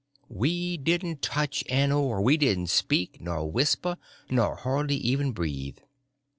We didn't touch an oar, and we didn't speak nor whisper, nor hardly even breathe.